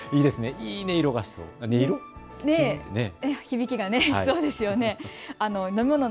いい音色がしそうです。